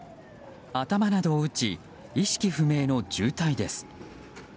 頭などを打ち意識不明の重体です。